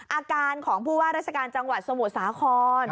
อาการของผู้ว่าราชการจังหวัดสมุทรสาคร